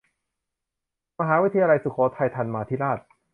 มหาวิทยาลัยสุโขทัยธรรมาธิราช